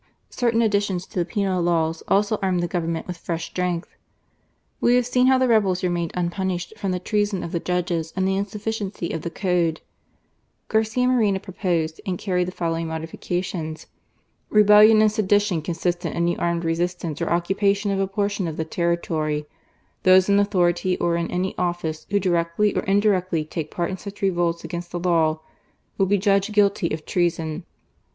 Certain additions to the penal laws also armed the Govern ment with fresh strength. We have seen how the rebels remained unpunished from the treason of the judges and the insufficiency of the Code. Garcia THE CONSTITUTION. 215 Moreno proposed and carried the following modifica tions :" Rebellion and sedition consist in any armed resistance or occupation of a portion of the territory. Those in authority or in any office who directly or indirectly take part in such revolts against the law, will be judged guilty of treason."